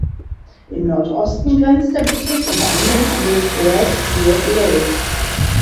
Im Nordosten grenzt der Bezirk unter anderem an den Red Deer Lake.